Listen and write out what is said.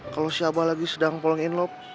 kalo si abah lagi sedang pulang in love